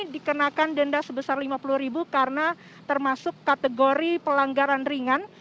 dikenakan denda sebesar lima puluh ribu karena termasuk kategori pelanggaran ringan